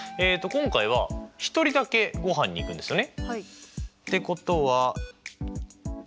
今回は１人だけごはんに行くんですよね。